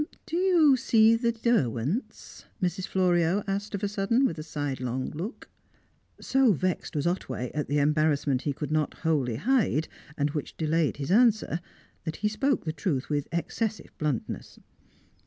"Do you see the Derwents?" Mrs. Florio asked of a sudden, with a sidelong look. So vexed was Otway at the embarrassment he could not wholly hide, and which delayed his answer, that he spoke the truth with excessive bluntness.